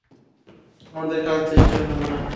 আমাদের কাজ দেশকে রক্ষা করা।